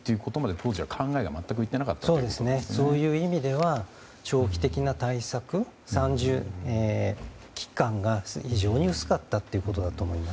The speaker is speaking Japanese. そういう意味では長期的な対策、期間が非常に薄かったということだと思います。